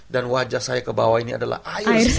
dan wajah saya ke bawah ini adalah air